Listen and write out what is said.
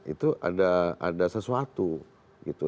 itu ada sesuatu